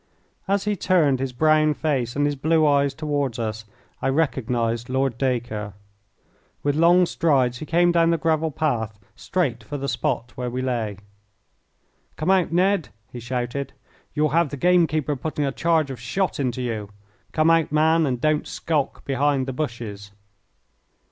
As he turned his brown face and his blue eyes toward us I recognised Lord Dacre. With long strides he came down the gravel path straight for the spot where we lay. "Come out, Ned!" he shouted; "you'll have the game keeper putting a charge of shot into you. Come out, man, and don't skulk behind the bushes."